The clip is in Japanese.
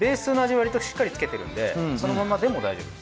わりとしっかりつけてるんでそのままでも大丈夫です。